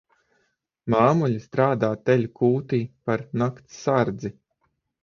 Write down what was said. Māmuļa strādā teļu kūtī par nakts sardzi.